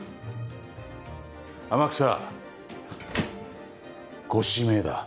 天草。ご指名だ。